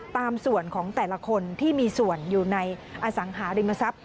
ตามส่วนของแต่ละคนที่มีส่วนอยู่ในอสังหาริมทรัพย